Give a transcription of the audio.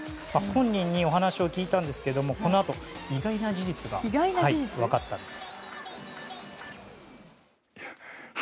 本人にお話を聞いたんですがこのあと、意外な事実が分かったんです。